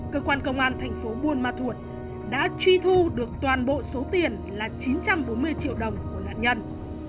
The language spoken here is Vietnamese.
cơ quan công an thành phố buôn ma thuột đã truy thu được toàn bộ số tiền là chín trăm bốn mươi triệu đồng của nạn nhân